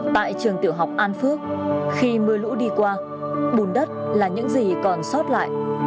tại trường tiểu học an phước khi mưa lũ đi qua bùn đất là những gì còn sót lại